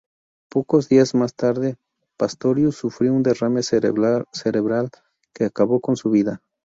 Pocos días más tarde, Pastorius sufrió un derrame cerebral que acabó con su vida.